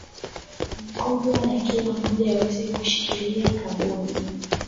mikubwa Na kila mmoja aweze kushikilia kaboni